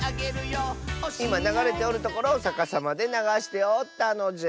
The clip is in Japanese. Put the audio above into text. いまながれておるところをさかさまでながしておったのじゃ。